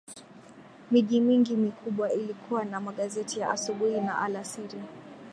Miji mingi mikubwa ilikuwa na magazeti ya asubuhi na alasiri